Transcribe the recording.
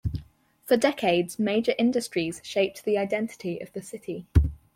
For decades major industries shaped the identity of the city.